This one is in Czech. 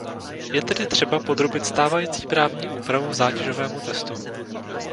Je tedy třeba podrobit stávající právní úpravu zátěžovému testu.